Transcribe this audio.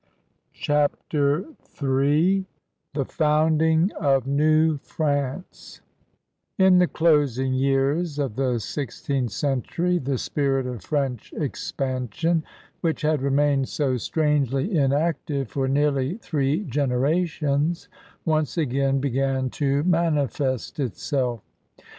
CHAPTER m THE FOI7m>INO OF NEW FRANCE In the closing years of the sixteenth century the spirit of French expansion, which had remained so strangely inactive for nearly three generations, once again began to manifest itself.